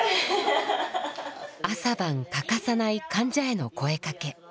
朝晩欠かさない患者への声かけ。